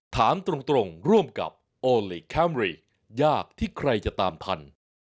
ถามตรงร่วมกับโอลี่คัมรี่ยากที่ใครจะตามทัน